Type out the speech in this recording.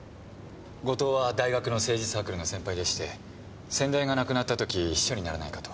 後藤は大学の政治サークルの先輩でして先代が亡くなった時秘書にならないかと。